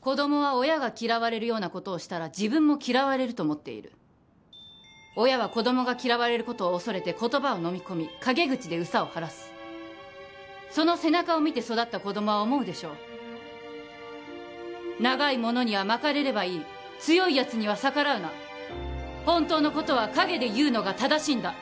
子供は親が嫌われるようなことをしたら自分も嫌われると思っている親は子供が嫌われることを恐れて言葉をのみ込み陰口で憂さを晴らすその背中を見て育った子供は思うでしょう長いものには巻かれればいい強いやつには逆らうな本当のことは陰で言うのが正しいんだ